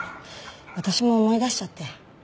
私も思い出しちゃって。